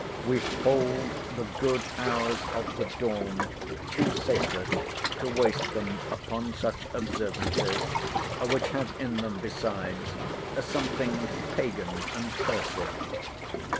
We hold the good hours of the dawn too sacred to waste them upon such observances; which have in them, besides, something Pagan and Persic.